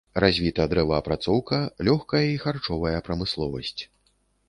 Развіта дрэваперапрацоўка, лёгкая і харчовая прамысловасць.